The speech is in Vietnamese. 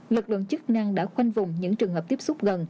lực lượng chức năng đã khoanh vùng những trường hợp tiếp xúc gần